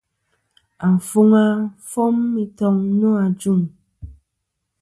Afuŋa fom i toŋ nô ajuŋ.